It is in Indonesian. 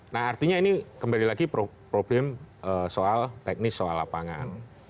nah artinya ini kembali lagi problem soal teknis soal lapangan